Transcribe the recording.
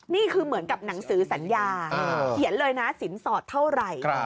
นี่คือเหมือนกับหนังสือสัญญาเขียนเลยนะสินสอดเท่าไหร่